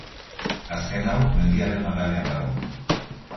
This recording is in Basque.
Azken hau, mendiaren magalean dago.